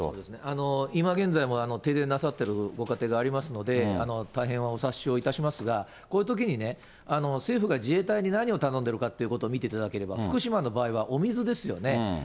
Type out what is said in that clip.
今現在も、停電なさってるご家庭ありますので、大変はお察しをいたしますが、こういうときにね、政府が自衛隊に何を頼んでるかということを見ていただければ、福島の場合はお水ですよね。